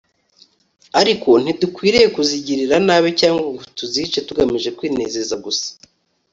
ariko ntidukwiriye kuzigirira nabi cyangwa ngo tuzice tugamije kwinezeza gusa